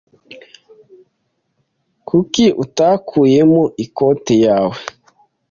Kuki utakuyemo ikoti yawe?